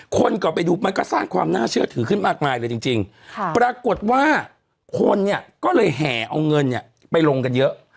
คนก็ไปดูมันก็สร้างความน่าเชื่อถือขึ้นมากมายเลยจริงปรากฏว่าคนเนี่ยก็เลยแห่เอาเงินเนี่ยไปลงกันเยอะ